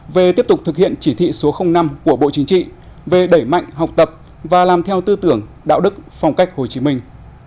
về tiếp tục thực hiện chỉ thị số năm của bộ chính trị về đẩy mạnh học tập và làm theo tư tưởng đạo đức phong cách hồ chí minh